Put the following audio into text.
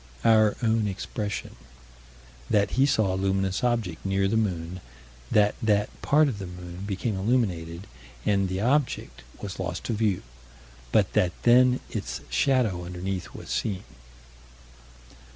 Our own expression: That he saw a luminous object near the moon: that that part of the moon became illuminated, and the object was lost to view; but that then its shadow underneath was seen.